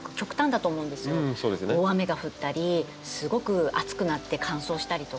大雨が降ったりすごく暑くなって乾燥したりとか。